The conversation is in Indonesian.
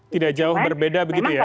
tidak jauh berbeda begitu ya